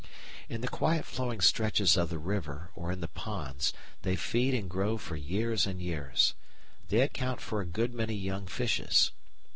In the quiet flowing stretches of the river or in the ponds they feed and grow for years and years. They account for a good many young fishes.